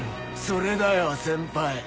それだよ先輩。